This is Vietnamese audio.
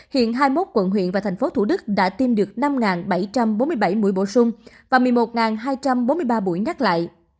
hiện hai mươi một quận huyện và thành phố thủ đức đã tiêm được năm bảy trăm bốn mươi bảy mũi bổ sung và một mươi một hai trăm bốn mươi ba buổi nhắc lại